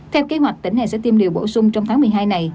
theo kế hoạch tỉnh này sẽ tiêm liều bổ sung trong tháng một mươi hai này